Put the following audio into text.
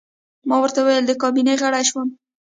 ما ورته وویل: د کابینې غړی شوم.